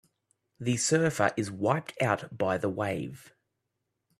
The surfer is wiped out by the wave.